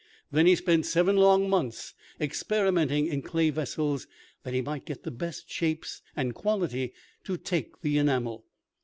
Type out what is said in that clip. Then he spent seven long months experimenting in clay vessels, that he might get the best shapes and quality to take the enamel.